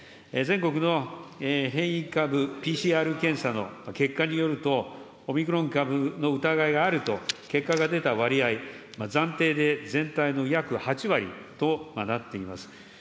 全国の変異株、ＰＣＲ検査の結果によると、オミクロン株の疑いがあると結果が出た割合、暫定で全体の約８割となっています。